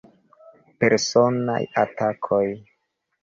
Personaj atakoj.